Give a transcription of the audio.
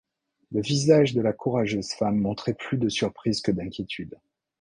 Le visage de la courageuse femme montrait plus de surprise que d’inquiétude.